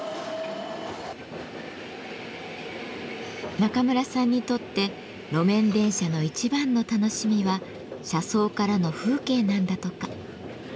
中村さんにとって路面電車の一番の楽しみは車窓からの風景なんだとか。